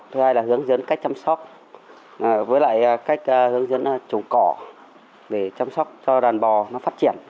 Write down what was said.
thứ hai là hướng dẫn cách chăm sóc với lại cách hướng dẫn trồng cỏ để chăm sóc cho đàn bò nó phát triển